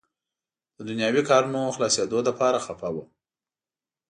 د دنیاوي کارونو خلاصېدو لپاره خفه وم.